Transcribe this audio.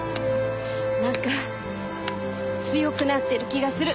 なんか強くなってる気がする。